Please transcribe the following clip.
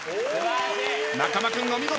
中間君お見事。